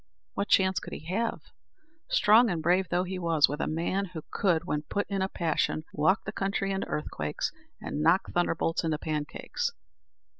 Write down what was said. What chance could he have, strong and brave though he was, with a man who could, when put in a passion, walk the country into earthquakes and knock thunderbolts into pancakes?